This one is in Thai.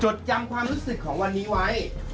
จำความรู้สึกของวันนี้ไว้